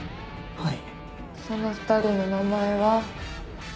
はい。